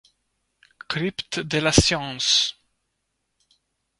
Cryptes de la science !